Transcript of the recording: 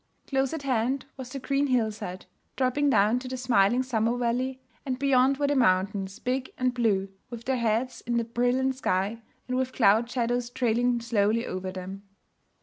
Close at hand was the green hillside, dropping down to the smiling summer valley; and beyond were the mountains, big and blue, with their heads in the brilliant sky and with cloud shadows trailing slowly over them.